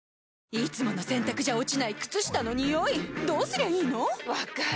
いつもの洗たくじゃ落ちない靴下のニオイどうすりゃいいの⁉分かる。